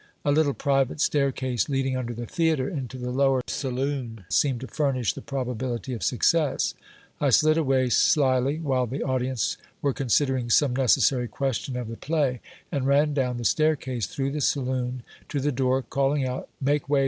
A little private staircase, leading under the theatre into the lower saloon, seemed to furnish the probability of success. I slid away slily, while the audience were considering some necessary question of the play, and ran down the staircase, through the saloon, to the door, calling out, "Make way